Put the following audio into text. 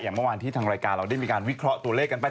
เมื่อวานที่ทางรายการเราได้มีการวิเคราะห์ตัวเลขกันไป